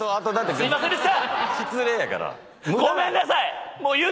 すいませんでした！